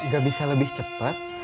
gak bisa lebih cepat